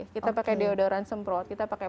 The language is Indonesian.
kita pakai deodorant semprot kita pakai